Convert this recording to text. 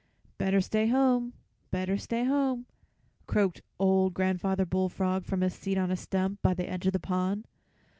"Better stay home, better stay home," croaked old Grandfather Bullfrog from his seat on a stump by the edge of the pond.